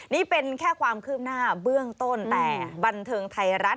นี่เป็นแค่ความคืบหน้าเบื้องต้นแต่บันเทิงไทยรัฐ